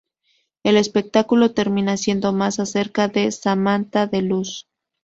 El espectáculo termina siendo más acerca de Samantha de Luz.